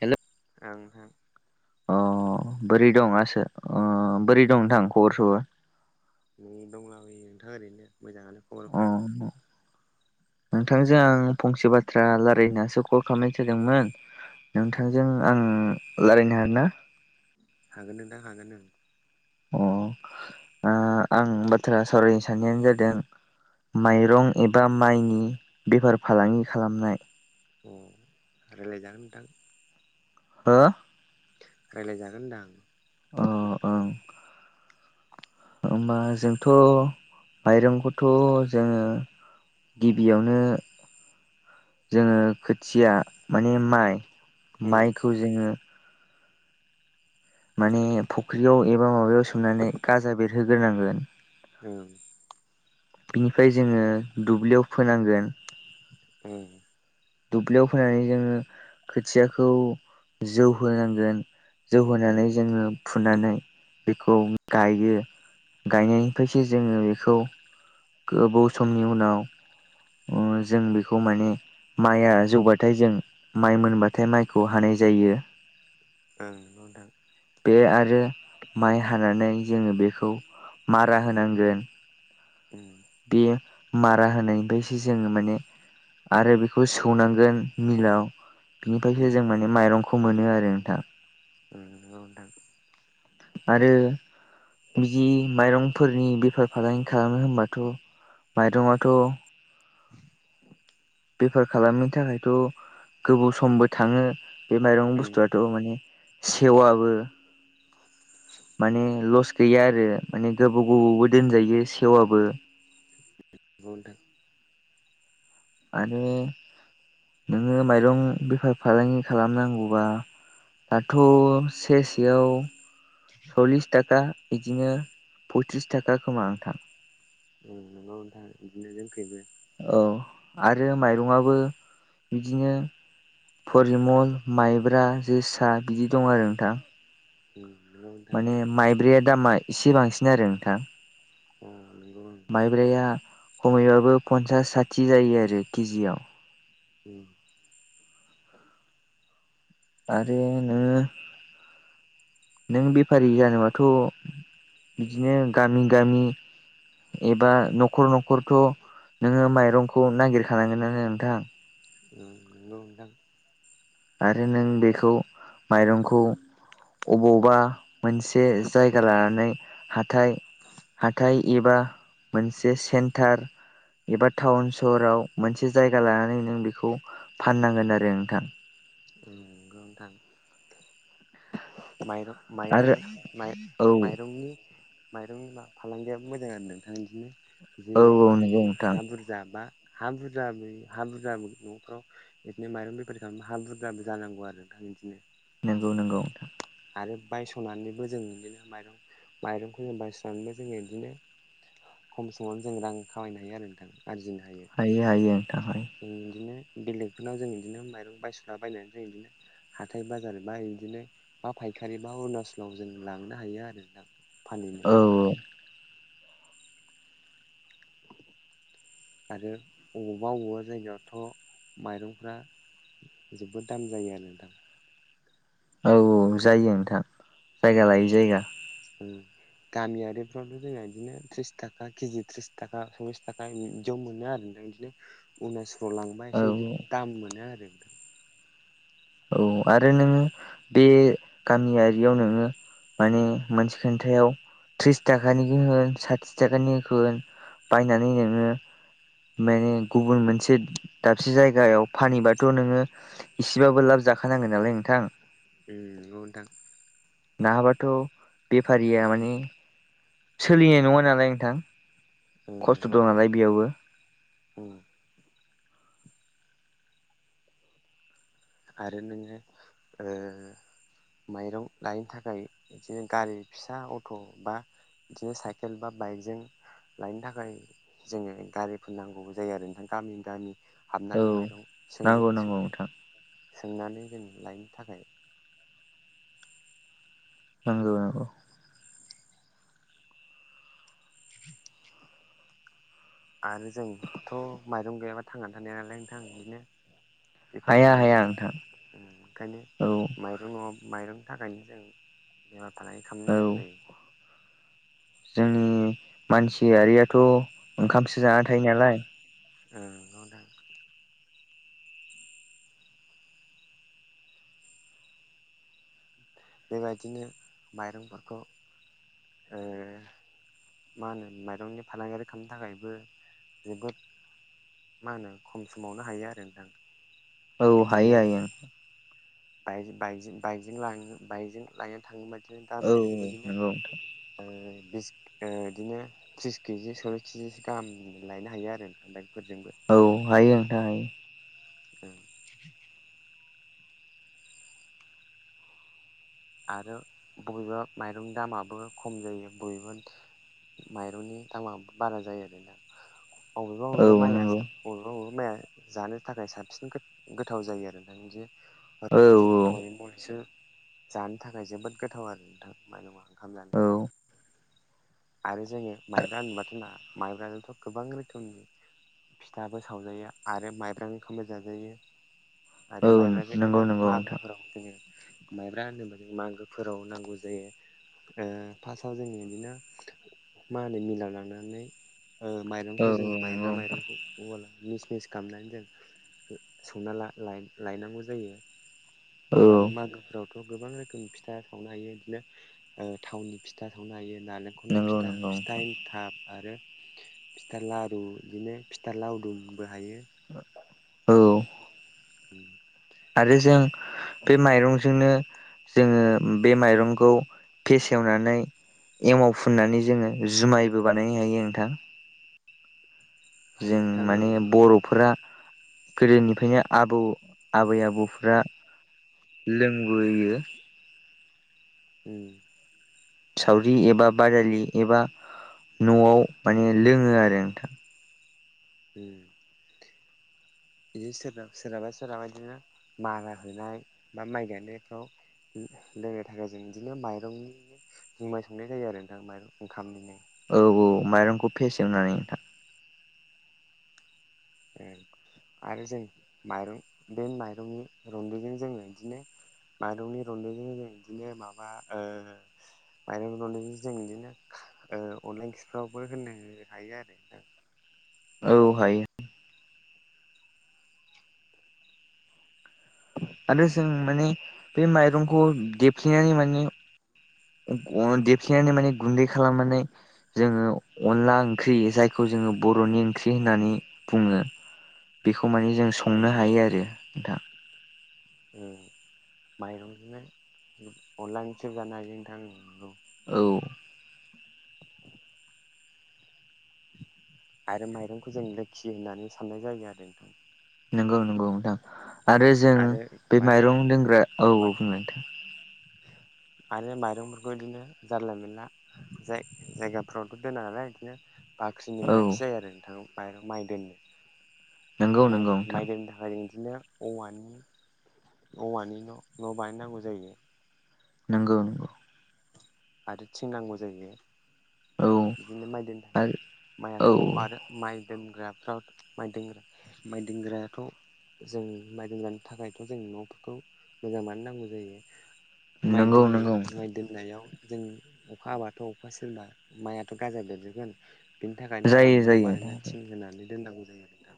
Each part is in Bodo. हेल' ओं हों अ बोरै दं आसो बोरै दं नोंथां खबर सबर नै दंलाबोयो नोंथां ओरैनो मोजाङानो अ खबरफ्रा नोंथांजों आं फंसे बाथ्रा रायलायनासो कल खालामनाय जादोंमोन औ नोंथांजों आं रायलायनो हागोना हागोन नोंथां हागोन ओं अ आं बाथ्रा सावरायनो साननायानो जादों माइरं एबा माइनि बेफार फालांगि खालामनाय अ रायलायजागोन नोंथां हो रायलायजागोन होनदां ओ ओं होमबा जोंथ' माइरंखौथ' जोङो गिबियावनो जोङो खोथिया माने माइ उम माइखौ जोङो माने फुख्रियाव एबा माबायाव सोमनानै गाजा बेरहोग्रोनांगोन। [unintelligible] बिनिफ्राय जोङो दुब्लियाव फोनांगोन। ओं दुब्लियाव फोनानै जोङो खोथियाखौ जौ होनांगोन। जौ ओं होनानै जोङो फुनानै बेखौ गायो। गायनायनिफ्रायसो जोङो बेखौ गोबाव समनि उनाव जों बेखौ माने माइआ जौबाथाय जों माइ मोनबाथाय माइखौ हानाय जायो। ओं ना नोंथां बे आरो माइ हानानै जोङो बेखौ मारा होनांगोन। [inaudible] बे मारा होनायनिफ्रायसो जोङो माने आरो बेखौ सौनांगोन मिलाव उम बिनिफ्रायसो जों माने माइरंखौ मोनो आरो नोंथां। उम नंगौ नोंथां। आरो बिदि माइरंफोरनि बेफार फालांगि खालामनो होनबाथ' माइरङाथ' बेफार खालामनि थाखायथ' गोबाव समबो थाङो बे माइरं उम बुस्थुआथ' माने सेवाबो माने लस गैया आरो माने गोबाव गोबावबो दोनजायो सेवाबबो। बुथ आरो नोङो माइरं बेफार फालांगि खालामनांगौबा दाथ' ससेयाव सल्लिस थाखा बिदिनो पयथ्रिस थाखा खोमा नोंथां? माबा मोनथा बिदिनो जोंखैबो औ आरो माइरंआबो बिदिनो परिमल माइब्रा जोसा बिदि दं आरो नोंथां [inaudible] माने माइब्रैया दामा एसे बांसिन आरो नोंथां। अ नोंगौ माइब्राया खमैबाबो पन्सास साथि जायो आरो केजियाव [inaudible] आरो नोङो नों बेफारि जानोबाथ' बिदिनो गामि गामि एबा न'खर न'खरथ' नोङो माइरंखौ नागिरखानांगोन आनो नोंथां। औ नंगौ नोंथां आरो नों बेखौ माइरंखौ अबावबा मोनसे जायगा लानानै हाथाय हाथथाय एबा मोनसे सेन्टार एबा टाउन सहराव मोनसे जायगा लानानै नों बेखौ फाननांगोन आरो नोंथां। औ गोनांथार रं माइरं आरो माइरंनि औ माइरंनि फालांगियाबो मोजां आरो नोंथां बिदिनो जे औ औ नंगौ नोंथां हा बुरजा बज जाबा हा बुरजा हा बुरजाबो न'फ्राव बिदिनो माइरं बेफारि खालामा हा बुरजाबो जानांगौ आरो दं बिदिनो नंगौ नंगौ नोंथां आरो बायस'नानैबो जों बिदिनो माइरं माइरंखौ जों बायस'नानैबो जोङो बिदिनो खम समावनो जों रां खामायनो हायो आरो नोंथां आरजिनो हायो। हायो हायो नोंथां हायो। उम इदिनो बेलेगफोरनाव जों इदिनो माइरं बायसला ओ बायनाय जों इदिनो हाथाय बाजार बा इदिनो बा फायखारि बा अरुणाचलाव जों लांनो हायो आरो नोंथां। फाननो औ औ आरो अबावबा अबावबा जायगायावथ' माइरंफ्रा जोबोद दाम जायो आरो नोंथां। औ औ जायो नोंथां उम जायगा लायै जायगा। उम गामियारिफ्रावथ' जोंहा इदिनो त्रिस थाखा केजि थ्रिस थाखा सल्लिस थाखा इदियाव मोनो आरो नोंथां इदिनो उनासलाव लांबा औ एसे इदि दाम मोनो आरो। औ आरो नोङो बे गामियारियाव नोङो माने मोनसे खोन्थायाव त्रिस थाखानिखौ होन साथि थाखानि होन बायनानै नोङो माने गुबुन मोनसे दाबसे जायगायाव फानहैबाथ' नोङो इसेबाबो लाब जाखानांगोन नालाय नोंथां। उन नोंगौ नोंथां। नाङाबाथ' बेफारिया माने सोलिनाय नङा नालाय नोंथां उम खस्थ' नंगौ दं नोंथां नालाय बेयावबो। उम आरो नोङो ओ माइरं लायैनो थाखाय बिदिनो गारि फिसा अट' बा बिदिनो साइकेल बा बाइकजों लायनो थाखाय जोङो गारिफोर नांगौबो जायो आरो नोंथां गामि गामि औ हाबनानै माइरं सोङो नांगौ नांगौ सोंनानै नोंथां सोंनानै जों लायनो थाखाय नंगौ नंगौ। आरो जोंथ' माइरं गैयाबा थांनानै थानाय नालाय नोंथां इदिनो बेफार हाया फालांगि हाया नोंथां उम ओंखायनो औ माइ जोंङ' माइरंनि थाखायनो जों बेफार फालांगि औ खालामनांगौ जायो। जोंनि मानसियारियाथ' ओंखामसो जाना थायो नालाय ओं नंगौ नोंथां। बेबायदिनो माइरंफोरखौ ओ मा होनो माइरंनि फालांगारि खालामनो थाखायबो जोबोद मा होनो खम समावनो हायो आरो नोंथां। औ हायो हायो ओं। बाइकजों बाइकजों बाइकजों लायनो बाइकजों लायनो थाङोबा इदिनो औ गामियारिफोर बादिनो नंगौ नोंथां आरो बिस ओ इदिनो त्रिस केजि सल्लिस किजिसो गाहाम लायनो हायो आरो नोंथां बाइकफोरजोंबो। औ हायो नोंथां हायो हायो। ओं आरो बबेबा माइरंनि दामाबो खम जायो बबेबा माइरंनि दामाबो बारा जायो आरो नोंथां बबेबा औ बबेबा माइया नंगौ साब बबेबा बबेबा माइया जानो थाखाय साबसिन गो- गोथाव जायो आरो बिदिनो औ। औ फरिमलसो जानो थाखाय जोबोद गोथाव आरो नोंथां मारङा ओंखाम जानो। औ। आरो जोङो माइब्रा होनबाथ' ना माइब्राजोंथ' गोबां रोखोमनि फिथाबो सावजायो आरो माइब्रांनि ओंखामबो जाजायो। औ आरो माइब्राजों नंगौ गोबां नंगौ नोंथां मागोफोराव जोङो माइब्रा होनोबा जों मागोफोराव नांगौ जायो। ओ फार्स्टआव जों इदिनो माइनि मिलाव लांनानै ओ औ माइरंखौ जों नंगौ माइब्रा माइरंखौ उवालआव मिसमिस खालामनानै जों संना ला लायनांगौ जायो नोंथां औ आरो मागोफ्राव थ' गोबां रोखोमनि फिथा सावनो हायो इदिनो ओ थावनि फिथा सावनो हायो नालें खरनि नंगौ फिथा, नंगौ फिथा नोंथां एनथाब आरो फिथा लारु बिदिनो फिथा लावदुमबो हायो औ उम आरो जों बे माइरंजोंनो जोङो बे माइरंखौ फेसेवनानै एमाव फुननानै जोङो जुमायबो बानायनो हायो नोंथां। हायो जों नोंथां ओं माने नंगौ बर'फोरा गोदोनिफ्रायनो आबौ आबै आबौफ्रा लोंबोयो उम सावरि एबा बादालि एबा न'वाव माने लोङो आरो नोंथां उम बिदि सोराना सोरहाबा सोरहाबा इदिनो मारा होनाय बा माइ गायनायफ्राव लोंनो थाखाय जों बिदिनो माइरंनि जुमाइ संनाय जायो आरो नोंथां माइरं ओंखामनिनो औ औ माइरंखौ फेसेवनानै नोंथां उम आरो जों माइरं बे माइरंनि रन्दैजों जोङो इदिनो माइरंनि रन्दैजों जों बिदिनो माबा ओ माइरं रन्दैजों बिदिनो ओ अनला ओंख्रिफ्रावबो होनो हायो आरो नोंथां। औ हायो आरो जों माने बे माइरंखौ देबफ्लिनानै माने अन देबफ्लेनानै माने गुन्दै खालामनानै जोङो अनला ओंख्रि जायखौ जोङो बर'नि ओंख्रि होननानै बुङो। बेखौ माने जों उम संनो नंगौ हायो आरो नोंथां उम माइरंजोंनो अनला ओंख्रिबो जानो हायो नोंथां औ औ [inaudible] आरो माइरंखौ जों लोक्षि होननानै साननाय जायो आरो नोंथां। नंगौ नंगौ नोंथां आरो जों बे माइरं दोनग्रा औ औ बुं नोंथां आरो माइरंफोरखौ बिदिनो जारला मेनला जाय जायगाफ्रावथ' दोना नालाय इदिनो बाख्रिनि औ गोनांथि जायो आरो नोंथां मायरं माइ दोननो नंगौ माइ नंगौ नोंथां माइ दोननो थाखाय जों बिदिनो औवानि औवानि न' न' बानायनांगौ जायो। नंगौ नंगौ आरो थिं नांगौ जायो ले। औ बिदिनो माइ दोननो थाखाय आरो माइआथ' औ आरो माइ दोनग्राफ्राव माइ दोनग्रा माइ दोनग्रायाथ' जों माइ दोजानो थाखायथ' जों न'फोरखौ जोंनो मानो नांगौ जायो माइ नंगौ दोननाय नंगौ माइ दोन नायाव जों अखा हाबाथ' अखा सेरबा माइआथ' गाजा बेरजोबगोन। बिनि थाखायनो आराम जायो न' जायो बानायना थिं होनानै दोननांगौ जायो आरो नोंथां।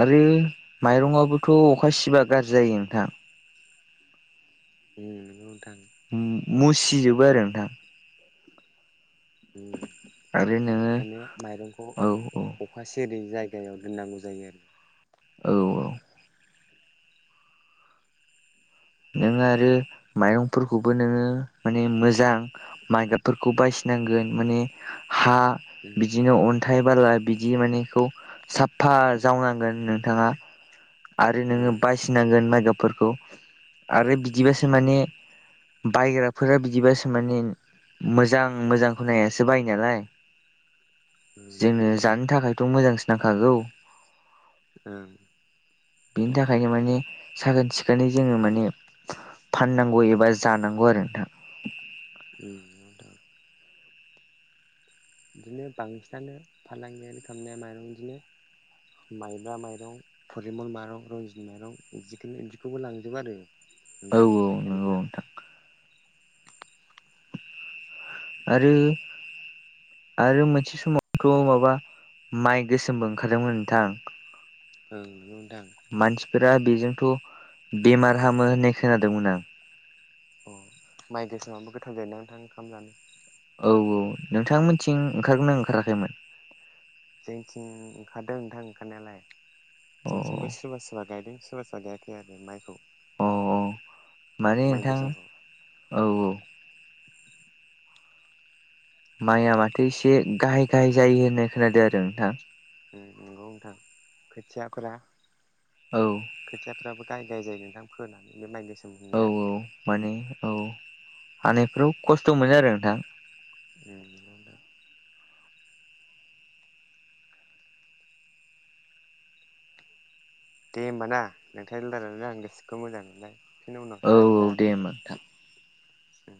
आरो माइरङाबोथ' अखा सिबा गाज्रि जायो नोंथां। उम नंगौ नोंथां मुसिजोबो आरो नोंथां। आरो नोङो ओखायनो माइरंखौ औ औ अखासे ओरै जायगायाव दोननांगौ जायो आरो औ औ नोंङ आरो माइरंफोरखौबो नोङो माने मोजां। माइ गाबफोरखौ बायसिनांगोन माने हा उम बिदिनो अन्थाइ बाला बिदि मानेखौ साफा जावनांगोन। नोंथाङा आरो नोङो उम बासिनांगोन मायगाफोरखौ आरो बिदिबासो नंगौ माने नोंथां बायग्राफोरा बिदिबासो माने मोजां मोजां खनायासो बायो नालाय उम नंगौ जोङो नोंथां जानो थाखायथ' मोजांसो नांखागौ। ओं बिनि थाखायनो माने साखोन सिखोनै जोङो माने फाननांगौ एबा जानांगौ आरो नोंथां। [unintelligible] बिदिनो बांसिनानो फालांगियारि खालामनाया माइरं बिदिनो। माइब्रा माइरं फरिमल माइरं रन्जित माइरं बिखनो बिदिखौबो लांजोबो आरो। औ नोंथां नंगौ फायखारिफोरा नोंथां आरो आरो मोनसे समावथ' माबा माइ गोसोमबो ओंखारदोंमोन नोंथां। ओं नो मोनदों मानसिफोरा बेजोंथ' बेमार हामो होननाय खोनादोंमोन आं अ माइ गोसेाबबो गोथाव जायो न नोंथां ओंखाम जानो औ औ नोंथांमोनथिं ओंखारगोन ओंखाराखैमोन। जोंथिं ओंखारदों नोंथां ओंखारनायालाय अ जोंथिंबो सोरबा सोरबा गायदों सोरबा सोरबा फ गायाखै आरो माइखौ अ औ माने माइ नोंथां गोसोमखौ औ औ। माइया माथो एसे गाहाय गाहाय जायो होननाय खोनादों आरो नोंथां। नंगौ नथां खोथियाफोरा औ। खोथियाफ्राबो गाय गाय जायो नोंथां फोनानै बे माइ गोस औ औ माने औ हानायफ्राव खस्थ' मोनो आरो नोंथां मादों दे होमब ना नोंथां लार आं गोसोखौ मोजां मोनलाय बिन उनाव औ औ सालायफिननो दे होमबा हासिगोन। नोंथां उम